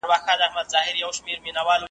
هم غښتلی ښکرور وو تر سیالانو .